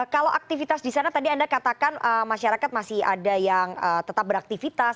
kalau aktivitas di sana tadi anda katakan masyarakat masih ada yang tetap beraktivitas